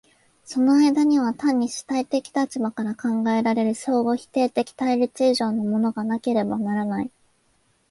その間には単に主体的立場から考えられる相互否定的対立以上のものがなければならない。